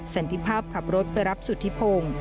สันติภาพขับรถไปรับสุธิพงศ์